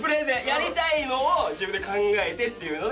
やりたいのを自分で考えてっていうので。